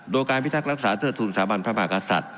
โดยการพิทักษ์รักษาเทิดทูลสถาบันพระมหากษัตริย์